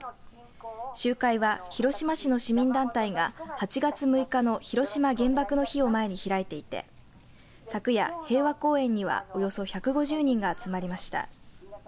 集会は広島市の市民団体が８月６日の広島原爆の日を前に開いていて昨夜、平和公園にはおよそ１５０人が集まりました。